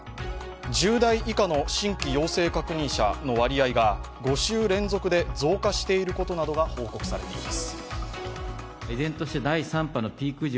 １０代以下の新規陽性確認者の割合が５週連続で増加していることなどが報告されています。